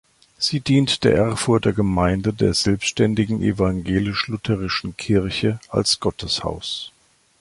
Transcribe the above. Sie dient der Erfurter Gemeinde der Selbständigen Evangelisch-Lutherischen Kirche als Gotteshaus.